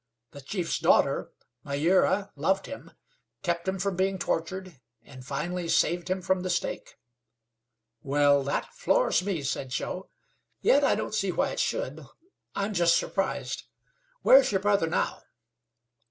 The chief's daughter, Myeerah, loved him, kept him from being tortured, and finally saved him from the stake." "Well, that floors me," said Joe; "yet I don't see why it should. I'm just surprised. Where is your brother now?"